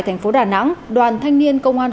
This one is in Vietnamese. thành phố đà nẵng đoàn thanh niên công an